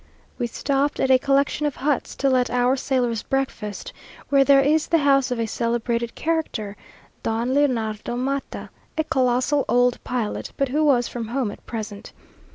We stopped at a collection of huts, to let our sailors breakfast, where there is the house of a celebrated character, Don Leonardo Mata, a colossal old pilot, but who was from home at present.